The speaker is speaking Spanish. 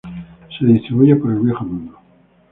Se distribuye por el Viejo Mundo.